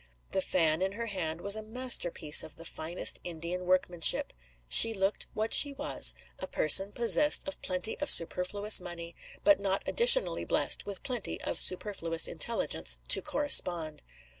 The fan in her hand was a master piece of the finest Indian workmanship. She looked what she was, a person possessed of plenty of superfluous money, but not additionally blest with plenty of superfluous intelligence to correspond.